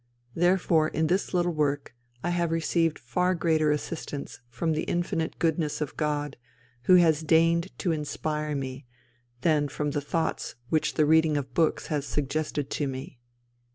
Therefore in this little work I have received far greater assistance from the infinite goodness of God, who has deigned to inspire me, than from the thoughts which the reading of books has suggested to me."